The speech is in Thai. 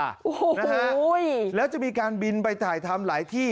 โอ้โหนะฮะแล้วจะมีการบินไปถ่ายทำหลายที่